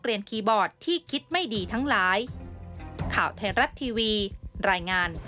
เรียนคีย์บอร์ดที่คิดไม่ดีทั้งหลาย